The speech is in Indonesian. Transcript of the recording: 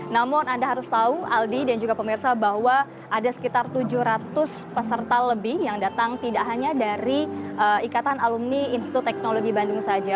namun anda harus tahu aldi dan juga pemirsa bahwa ada sekitar tujuh ratus peserta lebih yang datang tidak hanya dari ikatan alumni institut teknologi bandung saja